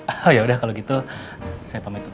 oh ya udah kalau gitu saya pamit dulu